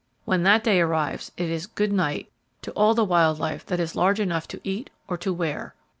When that day arrives, it is "good night" to all the wild life that is large enough to eat or to wear.